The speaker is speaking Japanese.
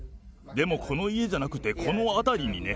でもこの家じゃなくて、この辺りにね。